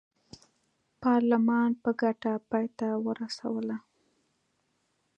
پارلمان په ګټه پای ته ورسوله.